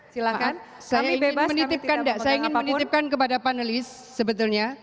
silahkan saya ingin menitipkan kepada panelis sebetulnya